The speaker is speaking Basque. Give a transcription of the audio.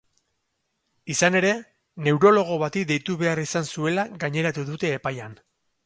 Izan ere, neurologo bati deitu behar izan zuela gaineratu dute epaian.